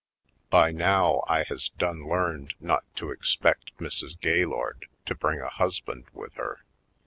By now, I has done learned not to expect Mrs. Gay lord to bring a husband with her.